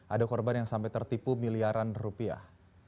ada korban yang sampai tertipu miliaran rupiah